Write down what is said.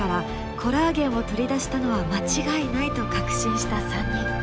コラーゲンを取り出したのは間違いないと確信した３人。